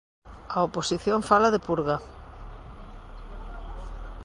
A oposición fala de purga.